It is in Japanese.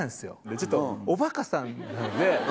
ちょっとおバカさんなので。